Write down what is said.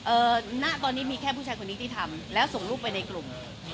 ณตอนนี้มีแค่ผู้ชายคนนี้ที่ทำแล้วส่งลูกไปในกลุ่ม